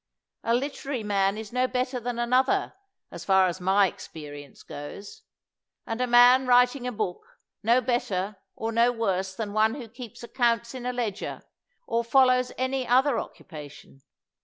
A literary man is no better than another, as far as my experience goes; and a man writing a book no better or no worse than one who keeps accounts in a ledger or follows any other oc cupation.